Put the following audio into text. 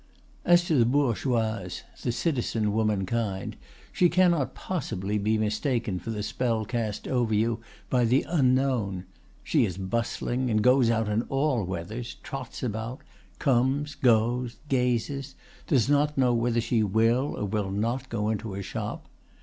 "As to the bourgeoise, the citizen womankind, she cannot possibly be mistaken for the spell cast over you by the Unknown. She is bustling, and goes out in all weathers, trots about, comes, goes, gazes, does not know whether she will or will not go into a shop.